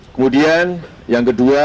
kemudian yang kedua